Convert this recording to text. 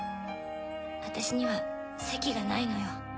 私には席がないのよ。